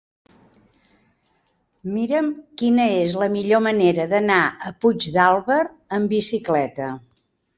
Mira'm quina és la millor manera d'anar a Puigdàlber amb bicicleta.